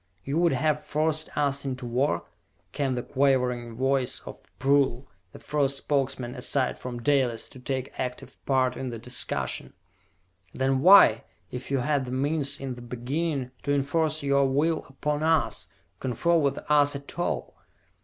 "You would have forced us into war?" came the quavering voice of Prull, the first Spokesman aside from Dalis to take active part in the discussion. "Then why, if you had the means in the beginning to enforce your will upon us, confer with us at all?"